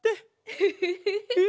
フフフフフ。